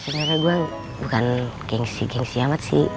sebenarnya gue bukan gengsi gengsi amat sih